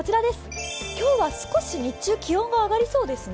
今日は少し日中、気温が上がりそうですね。